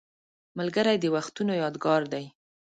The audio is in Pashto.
ملګری د وختونو یادګار دی